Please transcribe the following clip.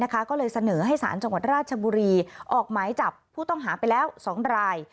ก็ให้มาเขาฝันก็ไม่มาครับ